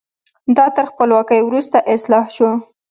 دا تر خپلواکۍ وروسته اصلاح شو.